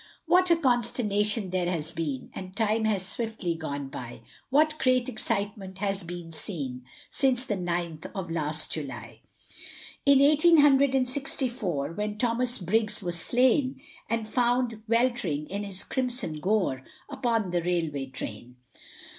What a consternation there has been, And time has swiftly gone by, What great excitement has been seen, Since the ninth of last July, In Eighteen hundred and sixty four, When Thomas Briggs was slain, And found welt'ring in his crimson gore Upon the railway train.